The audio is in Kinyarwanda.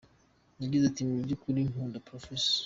Yagize ati “Mu by’ukuri nkunda Prof.